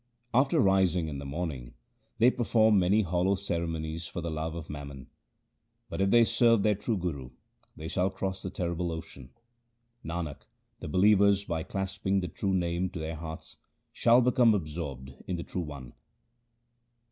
After rising in the morning they perform many hollow ceremonies for the love of mammon ; But, if they serve their true Guru, they shall cross the terrible ocean. Nanak, the believers by clasping the true Name to their hearts shall become absorbed in the True One.